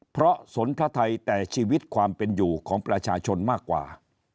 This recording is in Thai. เพราะสนพระไทยแต่ชีวิตความเป็นอยู่ของประชาชนมากกว่า